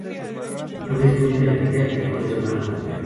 Otra vez vuelve a la vida, y ahora es una reportera.